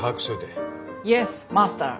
イエスマスター。